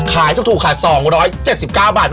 ขายถูกค่ะ๒๗๙บาท